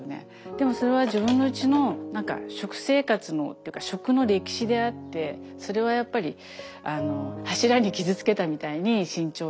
でもそれは自分のうちの食生活のっていうか食の歴史であってそれはやっぱり柱に傷つけたみたいに身長の。